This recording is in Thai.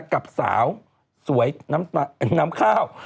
กับสาวสวยน้ำข้าว